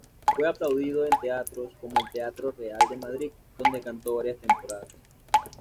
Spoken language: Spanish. Fue aplaudido en teatros como el Teatro Real de Madrid, donde cantó varias temporadas.